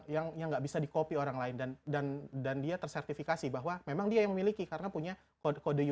yang yang nggak bisa di copy orang lain dan dan dia tersertifikasi bahwa memang dia yang memiliki karena punya kode kode